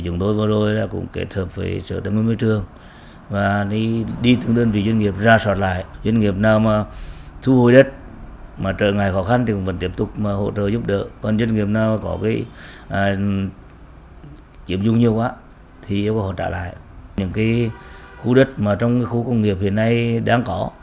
những khu đất trong khu công nghiệp hiện nay đang có